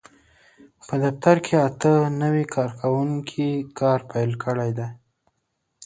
په دفتر کې اته نوي کارکوونکي کار پېل کړی دی.